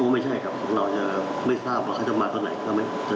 ไม่ใช่ครับเราจะไม่ทราบว่าเขาจะมากันไหน